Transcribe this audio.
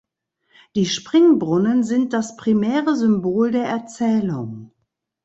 Die Springbrunnen sind das primäre Symbol der Erzählung.